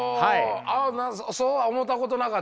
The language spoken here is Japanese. ああそうは思うたことなかったです。